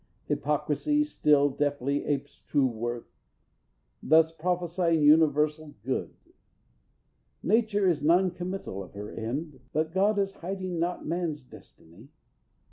Hypocrisy still deftly apes true worth Thus prophesying universal good. Nature is non committal of her end, But God is hiding not man's destiny.